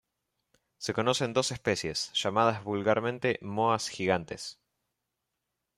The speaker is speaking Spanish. Se conocen dos especies, llamadas vulgarmente moas gigantes.